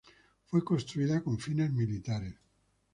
Fue construida con fines militares.